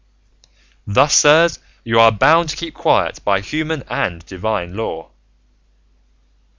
Thus, sirs, you are bound to keep quiet by human and divine law."